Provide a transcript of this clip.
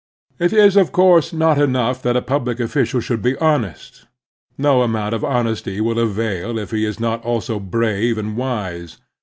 It is, of course, not enough that a public oflScial should be honest. No amoimt of honesty will avail if he is not also brave and wise.